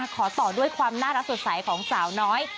ขอต่อด้วยความน่ารักสดใสของสาวน้อย